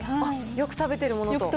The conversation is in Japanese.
よく食べてるものと。